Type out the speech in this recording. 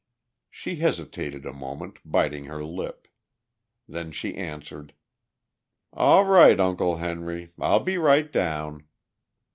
She hesitated a moment, biting her lip. Then she answered, "All right, Uncle Henry; I'll be right down."